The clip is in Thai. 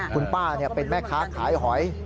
คุณป้าเป็นแม่ค้าขายหอย